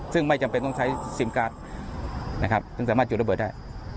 ซึ่งไม่จำเป็นต้องใช้ซิมการ์ดนะครับจึงสามารถจุดระเบิดได้